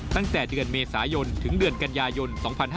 ตั้งแต่เดือนเมษายนถึงเดือนกันยายน๒๕๕๙